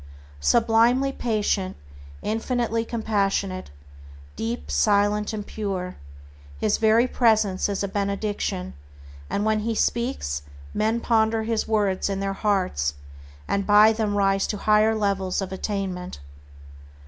Sublimely patient; infinitely compassionate; deep, silent, and pure, his very presence is a benediction; and when he speaks men ponder his words in their hearts, and by them rise to higher levels of attainment.